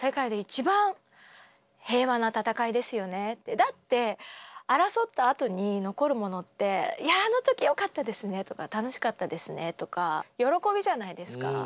だって争ったあとに残るものって「いやああの時よかったですね」とか「楽しかったですね」とか喜びじゃないですか。